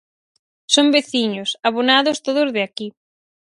Son veciños, abonados, todos de aquí.